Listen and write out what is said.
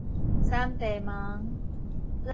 三地門